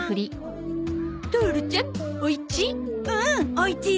おいちい？